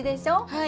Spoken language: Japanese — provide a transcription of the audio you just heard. はい。